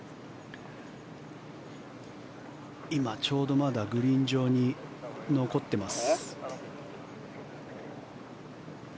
今、ちょうどまだグリーン上に残ってます。